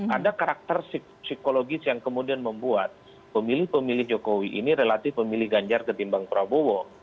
ada karakter psikologis yang kemudian membuat pemilih pemilih jokowi ini relatif memilih ganjar ketimbang prabowo